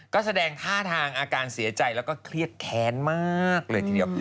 ก็แสดงท่าทางอาการเสียใจแล้วก็เครียดแค้นมากเลยทีเดียว